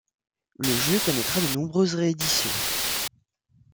Le jeu connaîtra de nombreuses ré-éditions.